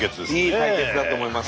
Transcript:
いい対決だと思います。